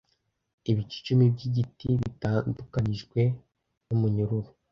ibice icumi by'ibiti bitandukanijwe n'umunyururu